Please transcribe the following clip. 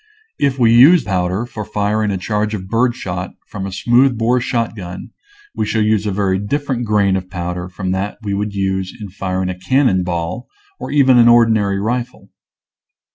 If we use powder for firing a charge of birdshot from a smooth bore shotgun we shall use a very different grain of powder from that we would use in firing a cannon ball or even an ordinary rifle.